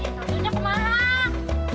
eh satunya kemana